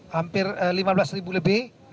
hampir lima belas lebih